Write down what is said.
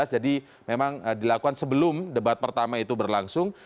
jadi memang dilakukan sebelum debat pertama itu berlangsung